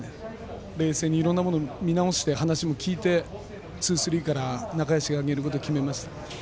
冷静にいろんなものを見直して話を聞いてツースリーから中屋敷を上げることを決めました。